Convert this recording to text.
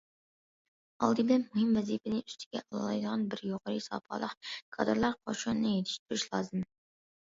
ئالدى بىلەن مۇھىم ۋەزىپىنى ئۈستىگە ئالالايدىغان بىر يۇقىرى ساپالىق كادىرلار قوشۇنىنى يېتىشتۈرۈش لازىم.